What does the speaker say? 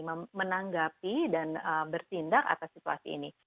menanggapi dan bertindak atas situasi ini